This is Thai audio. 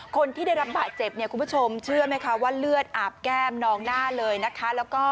คนที่ได้รับบาดเจ็บเนี่ยคุณผู้ชมเชื่อไหมคะว่าเลือดอาบแก้มนองหน้าเลยนะคะ